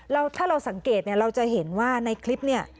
แล้วถ้าเราสังเกตเนี่ยเราจะเห็นว่าในคลิปเนี่ย